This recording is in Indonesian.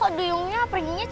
pasti ada duyungnya di deket situ